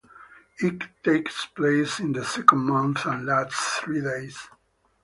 It takes place in the second month and lasts three days.